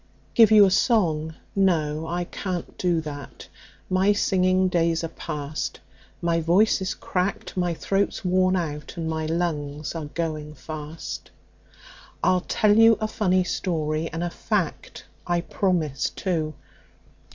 Give you a song? No, I can't do that; my singing days are past; My voice is cracked, my throat's worn out, and my lungs are going fast. "I'll tell you a funny story, and a fact, I promise, too.